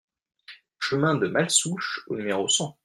Chemin de Malsouche au numéro cent